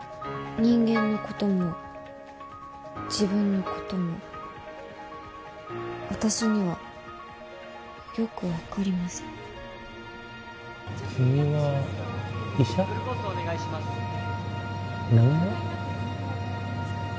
人間のことも自分のことも私には、よく分かりません。